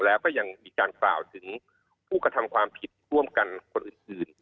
แล้วก็ยังมีการกล่าวถึงผู้กระทำความผิดร่วมกันคนอื่น